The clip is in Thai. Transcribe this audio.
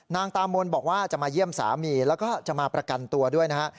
นางตามนบอกว่าจะมาเยี่ยมสามีแล้วก็จะมาประกันตัวด้วยนะฮะ